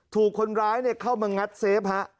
ถูกคนร้ายเข้ามางัดเซฟฮะ